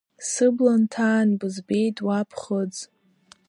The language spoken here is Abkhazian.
Сыбла нҭаан, бызбеит уа ԥхыӡ…